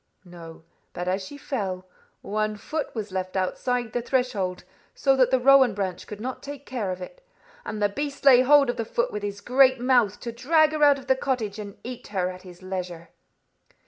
"No. But as she fell, one foot was left outside the threshold, so that the rowan branch could not take care of it. And the beast laid hold of the foot with his great mouth, to drag her out of the cottage and eat her at his leisure."